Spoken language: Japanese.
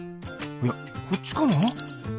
いやこっちかな？